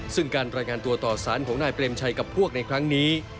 ซึ่งการรายงานตัวต่อสารของนายเปรมชัยกับพวกในครั้งนี้